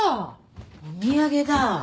お土産だ。